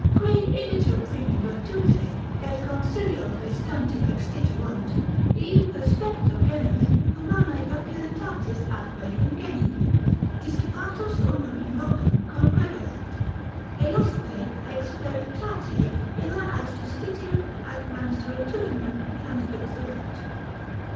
Qui igitur primi virtute & consilio praestanti extiterunt, ii perspecto genere humanae docilitatis atque ingenii, dissipatos unum in locum congregarunt, eosque ex feritate illa ad justitiam ac mansuetudinem transduxerunt.